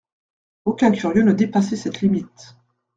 Aucun curieux ne dépassait cette limite.